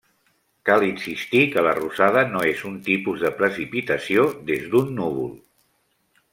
Cal insistir que la rosada no és un tipus de precipitació des d’un núvol.